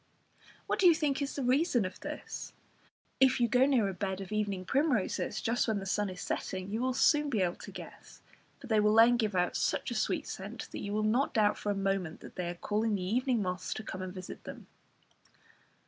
What do you think is the reason of this? If you go near a bed of evening primroses just when the sun is setting, you will soon be able to guess, for they will then give out such a sweet scent that you will not doubt for a moment that they are calling the evening moths to come and visit them.